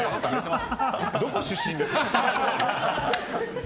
どこ出身ですか。